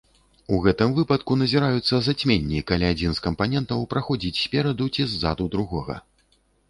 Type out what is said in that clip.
У гэтым выпадку назіраюцца зацьменні, калі адзін з кампанентаў праходзіць спераду ці ззаду другога.